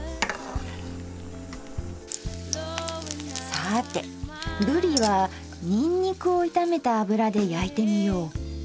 さあてぶりはニンニクを炒めた油で焼いてみよう。